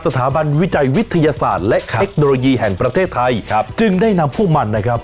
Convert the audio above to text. สถาบันวิจัยวิทยาศาสตร์และเทคโนโลยีแห่งประเทศไทยครับจึงได้นำพวกมันนะครับ